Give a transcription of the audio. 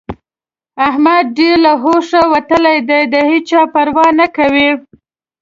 احمد ډېر له هوښه وتلی دی؛ د هيچا پروا نه کوي.